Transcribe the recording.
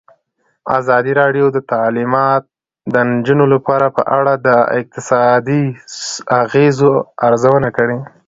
ازادي راډیو د تعلیمات د نجونو لپاره په اړه د اقتصادي اغېزو ارزونه کړې.